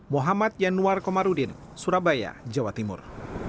muhammad yanuar komarudin surabaya jawa timur